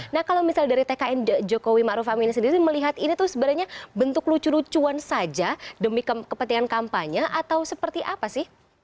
nah kalau misalnya dari tkn jokowi ⁇ maruf ⁇ amin sendiri melihat ini tuh sebenarnya bentuk lucu lucuan saja demi kepentingan kampanye atau seperti apa sih